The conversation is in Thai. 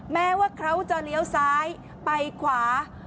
แม้ว่าเขาจะเลี้ยวซ้ายไปขวา